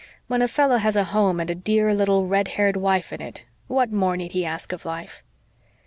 When a fellow has a home and a dear, little, red haired wife in it what more need he ask of life?"